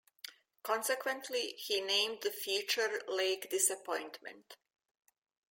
Consequently, he named the feature Lake Disappointment.